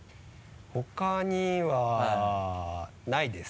他にはないです！